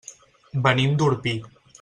Venim d'Orpí.